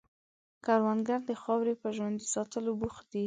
کروندګر د خاورې په ژوندي ساتلو بوخت دی